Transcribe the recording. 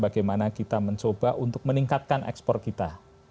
bagaimana kita mencoba untuk meningkatkan ekspor kita